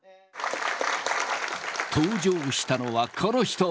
登場したのはこの人。